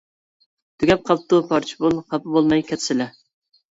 تۈگەپ قاپتۇ پارچە پۇل، خاپا بولماي كەتسىلە.